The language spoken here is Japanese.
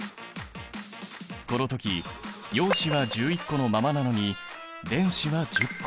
この時陽子は１１個のままなのに電子は１０個。